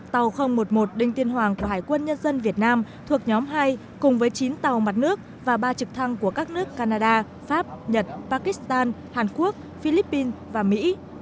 tàu một mươi một đinh tiên hoàng của hải quân nhân dân việt nam thuộc nhóm hai cùng với chín tàu mặt nước và ba trực thăng của các nước canada pháp nhật pakistan hàn quốc philippines và mỹ